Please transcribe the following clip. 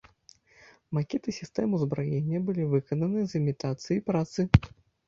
Макеты сістэм узбраення былі выкананы з імітацыяй працы.